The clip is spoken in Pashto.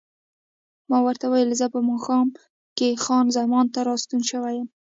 ما ورته وویل: زه په ماښام کې خان زمان ته راستون شوی یم.